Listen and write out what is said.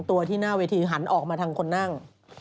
ตัวที่หน้าเวทีหันออกมาทางคนนั่ง